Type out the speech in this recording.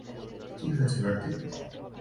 কী হয়েছে কার্তিক?